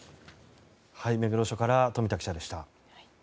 目黒署から冨田記者でした。